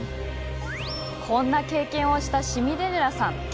こんな経験をしたシミデレラさん